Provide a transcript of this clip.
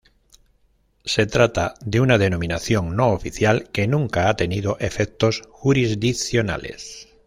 Se trata de una denominación no oficial que nunca ha tenido efectos jurisdiccionales.